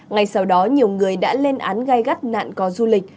ngay sau đó nhiều người đã lên án gai gắt nạn co du lịch